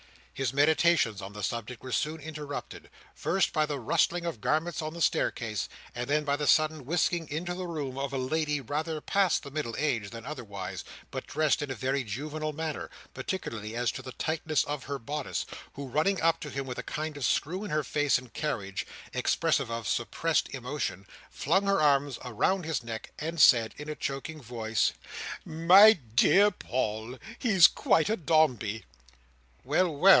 His meditations on the subject were soon interrupted, first by the rustling of garments on the staircase, and then by the sudden whisking into the room of a lady rather past the middle age than otherwise but dressed in a very juvenile manner, particularly as to the tightness of her bodice, who, running up to him with a kind of screw in her face and carriage, expressive of suppressed emotion, flung her arms around his neck, and said, in a choking voice, "My dear Paul! He's quite a Dombey!" "Well, well!"